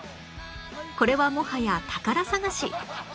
これはもはや宝探し！